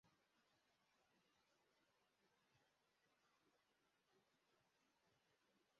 Umwana agerageza kwinjira munzu anyuze mumuryango wimbwa